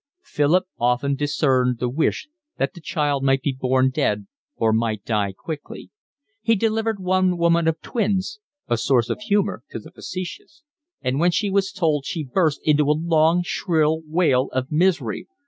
Philip often discerned the wish that the child might be born dead or might die quickly. He delivered one woman of twins (a source of humour to the facetious) and when she was told she burst into a long, shrill wail of misery.